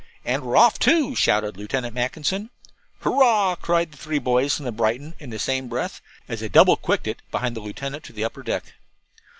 "And we're off, too," shouted Lieutenant Mackinson. "Hurrah!" cried the three boys from Brighton in the same breath, as they double quicked it behind the lieutenant to the upper deck.